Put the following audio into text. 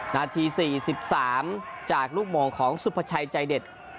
นาที๔๓จากลูกโมงของสุภาชัยใจเด็ด